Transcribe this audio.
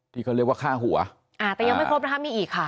ที่เขาเรียกว่าค่าหัวอ่าแต่ยังไม่ครบนะคะมีอีกค่ะ